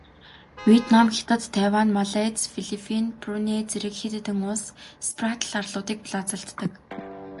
Вьетнам, Хятад, Тайвань, Малайз, Филиппин, Бруней зэрэг хэд хэдэн улс Спратл арлуудыг булаацалддаг.